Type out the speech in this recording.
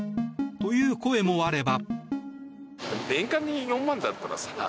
という声もあれば。